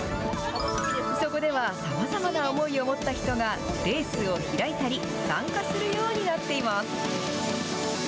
そこではさまざまな思いを持った人がレースを開いたり、参加するようになっています。